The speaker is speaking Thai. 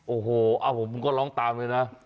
โอ้โหผมก็ร้องตามเลยนะ